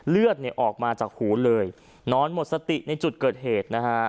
เลือดเนี่ยออกมาจากหูเลยนอนหมดสติในจุดเกิดเหตุนะฮะ